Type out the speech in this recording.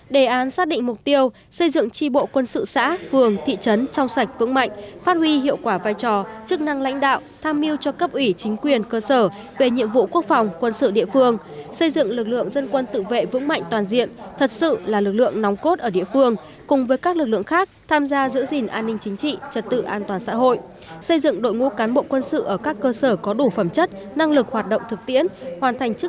đề án xác định mục tiêu xây dựng tri bộ quân sự xã phường thị trấn trong sạch vững mạnh phát huy hiệu quả vai trò chức năng lãnh đạo tham miêu cho cấp ủy chính quyền cơ sở về nhiệm vụ quốc phòng quân sự địa phương xây dựng lực lượng dân quân tự vệ vững mạnh toàn diện thật sự là lực lượng nóng cốt ở địa phương cùng với các lực lượng khác tham gia giữ gìn an ninh chính trị trật tự an toàn xã hội xây dựng đội ngũ cán bộ quân sự ở các cơ sở có đủ phẩm chất năng lực hoạt động thực tiễn hoàn